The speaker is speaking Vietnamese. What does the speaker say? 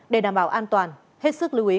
để đảm bảo an toàn hết sức lưu ý quý vị